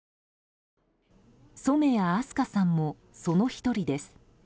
染矢明日香さんもその１人です。